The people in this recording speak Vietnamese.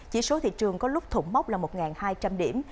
chỉ số thị trường có lúc thủng mốc là một hai trăm linh điểm